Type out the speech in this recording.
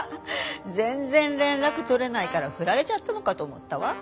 全然連絡取れないからふられちゃったのかと思ったわ。